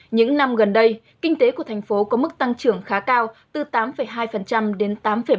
những năm gần đây kinh tế của thành phố có mức tăng trưởng khá cao từ tám hai đến tám bảy